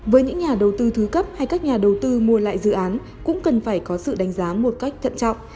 với những nhà đầu tư thứ cấp hay các nhà đầu tư mua lại dự án cũng cần phải có sự đánh giá một cách thận trọng